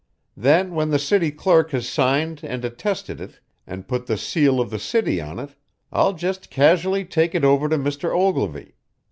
Then when the city clerk has signed and attested it and put the seal of the city on it, I'll just casually take it over to Mr. Ogilvy.